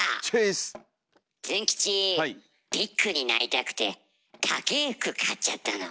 ズン吉ビッグになりたくて高ぇ服買っちゃったの。